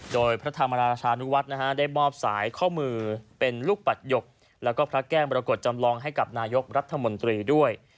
โดยพระธรรมราชานุวัฒน์นะฮะได้มอบสายข้อมือเป็นลูกปัดหยกแล้วก็พระแก้มรกฏจำลองให้กับนายกรัฐมนตรีด้วย